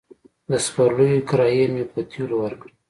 د سپرليو کرايې مې په تيلو ورکړې.